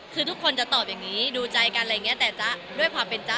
คือทุกคนจะตอบอย่างนี้ดูใจกันอะไรอย่างเงี้แต่จ๊ะด้วยความเป็นจ๊ะ